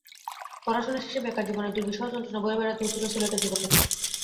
পড়াশোনা শেষে বেকার জীবনের দুর্বিষহ যন্ত্রণা বয়ে বেড়াতে হচ্ছিল সিলেটের যুবকের।